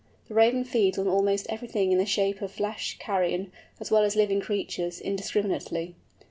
The Raven feeds on almost everything in the shape of flesh, carrion, as well as living creatures, indiscriminately.